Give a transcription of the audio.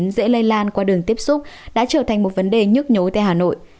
dễ lây lan qua đường tiếp xúc đã trở thành một vấn đề nhức nhối tại hà nội